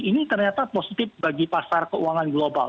ini ternyata positif bagi pasar keuangan global